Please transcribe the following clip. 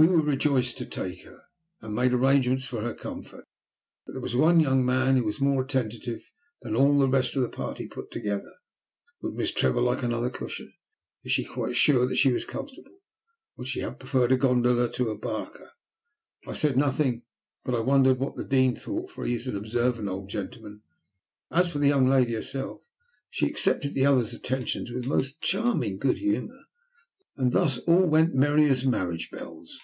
We were rejoiced to take her, and made arrangements for her comfort, but there was one young man who was more attentive than all the rest of the party put together. Would Miss Trevor like another cushion? Was she quite sure that she was comfortable? Would she have preferred a gondola to a barca? I said nothing, but I wondered what the Dean thought, for he is an observant old gentleman. As for the young lady herself, she accepted the other's attentions with the most charming good humour, and thus all went merry as marriage bells.